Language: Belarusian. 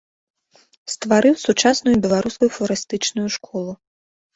Стварыў сучасную беларускую фларыстычную школу.